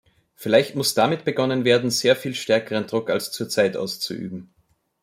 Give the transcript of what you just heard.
Vielleicht muss damit begonnen werden, sehr viel stärkeren Druck als zurzeit auszuüben.